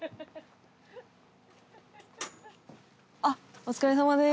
お疲れさまです。